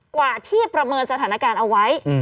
กว่าที่ประเมินสถานการณ์เอาไว้